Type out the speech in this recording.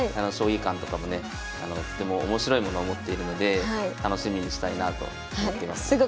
将棋観とかもねとても面白いものを持っているので楽しみにしたいなと思っています。